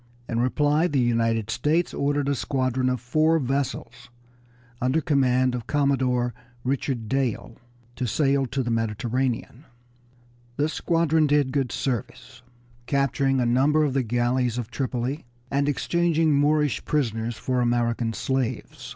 In reply the United States ordered a squadron of four vessels under command of Commodore Richard Dale to sail to the Mediterranean. This squadron did good service, capturing a number of the galleys of Tripoli, and exchanging Moorish prisoners for American slaves.